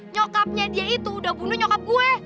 nyokapnya dia itu udah bunuh nyokap gue